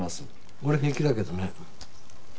俺は平気だけどね。